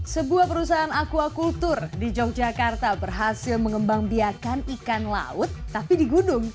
sebuah perusahaan aquacultur di yogyakarta berhasil mengembang biakan ikan laut tapi di gunung